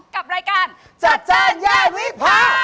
กับรายการจัดจ้านย่าวิพา